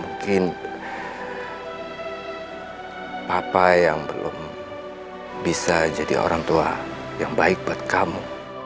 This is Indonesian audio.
mungkin papa yang belum bisa jadi orang tua yang baik buat kamu